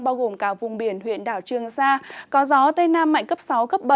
bao gồm cả vùng biển huyện đảo trương sa có gió tây nam mạnh cấp sáu cấp bảy